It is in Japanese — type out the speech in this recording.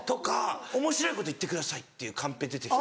「おもしろいこと言ってください」っていうカンペ出てきて。